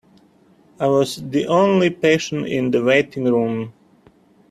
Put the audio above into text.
I was the only patient in the waiting room.